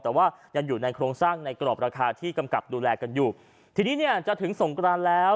แต่ว่ายังอยู่ในโครงสร้างในกรอบราคาที่กำกับดูแลกันอยู่ทีนี้เนี่ยจะถึงสงกรานแล้ว